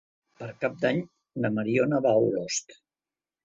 Per Cap d'Any na Mariona va a Olost.